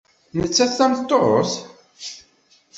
Nettat d tameṭṭut?